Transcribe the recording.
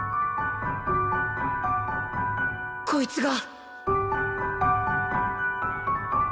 こいつが